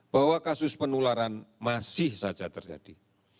bahwa kasus penularan masih saja terjadi